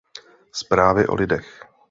Zprávy o lidech.